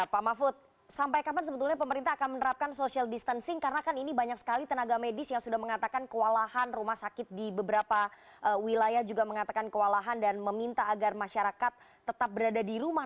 pak mahfud sampai kapan sebetulnya pemerintah akan menerapkan social distancing karena kan ini banyak sekali tenaga medis yang sudah mengatakan kewalahan rumah sakit di beberapa wilayah juga mengatakan kewalahan dan meminta agar masyarakat tetap berada di rumah